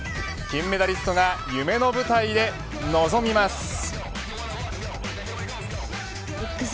金メダリストが夢の舞台で臨みます。